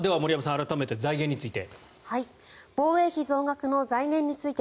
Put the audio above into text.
改めて財源について。